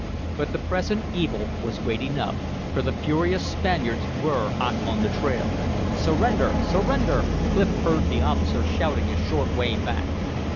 But the present evil was great enough, for the furious Spaniards were hot on the trail. "Surrender! Surrender!" Clif heard the officer shouting a short way back.